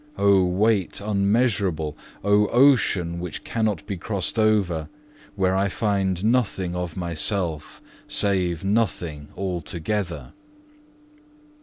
Oh weight unmeasurable, oh ocean which cannot be crossed over, where I find nothing of myself save nothing altogether!